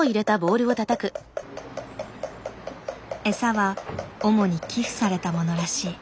エサは主に寄付されたものらしい。